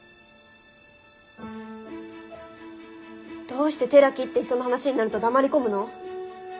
どうして寺木って人の話になると黙り込むの？